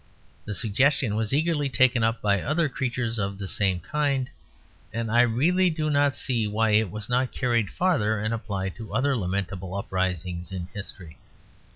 The suggestion was eagerly taken up by other creatures of the same kind, and I really do not see why it was not carried farther and applied to other lamentable uprisings in history.